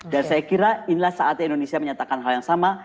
dan saya kira inilah saatnya indonesia menyatakan hal yang sama